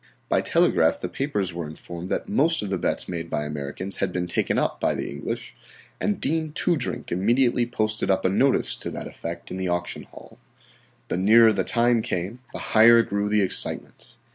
By telegraph the papers were informed that most of the bets made by Americans had been taken up by the English, and Dean Toodrink immediately posted up a notice to that effect in the auction hall. The nearer the time came the higher grew the excitement.